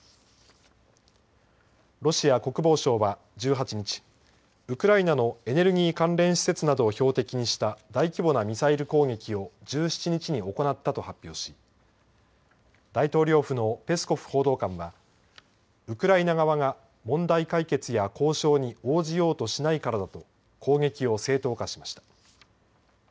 ロシア国防省は１８日ウクライナのエネルギー関連施設などを標的にした大規模なミサイル攻撃を１７日に行ったと発表し大統領府のペスコフ報道官はウクライナ側が問題解決や交渉に応じようとしないからだと攻撃を正当化しました。